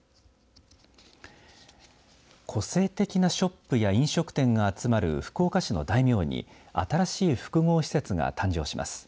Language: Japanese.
個性的なショップや飲食店が集まる福岡市の大名に新しい複合施設が誕生します。